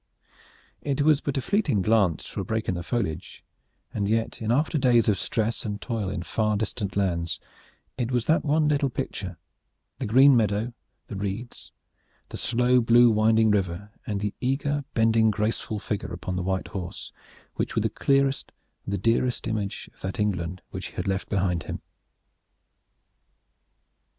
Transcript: It was but a fleeting glance through a break in the foliage, and yet in after days of stress and toil in far distant lands it was that one little picture the green meadow, the reeds, the slow blue winding river, and the eager bending graceful figure upon the white horse which was the clearest and the dearest image of that England which he had left behind him.